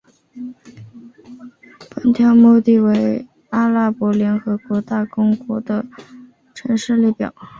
本条目为阿拉伯联合大公国的城市列表。